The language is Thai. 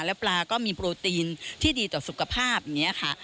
แล้วปลาก็มีโปรตีนที่ดีต่อสุขภาพอย่างนี้ค่ะ